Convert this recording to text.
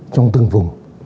trong từng vùng